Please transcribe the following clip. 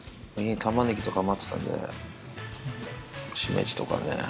たまねぎとか余ってたんで、しめじとかね。